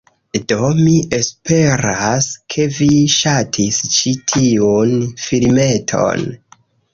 Do, mi esperas, ke vi ŝatis ĉi tiun filmeton